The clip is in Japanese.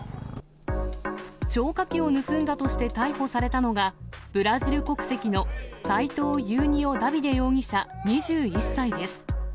消火器を盗んだとして逮捕されたのが、ブラジル国籍のサイトウ・ユーニヨ・ダビデ容疑者２１歳です。